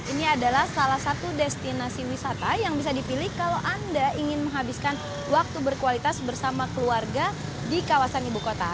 ini adalah salah satu destinasi wisata yang bisa dipilih kalau anda ingin menghabiskan waktu berkualitas bersama keluarga di kawasan ibu kota